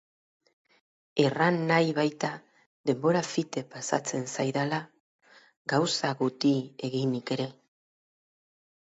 Erran nahi baita denbora fite pasatzen zaidala gauza guti eginik ere!